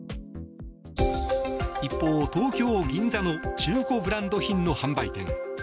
一方、東京・銀座の中古ブランド品の販売店。